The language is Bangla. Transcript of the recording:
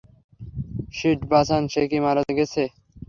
শিট বাঁচান সে কি মারা গেছে?